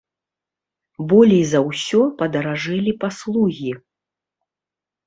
Болей за ўсё падаражэлі паслугі.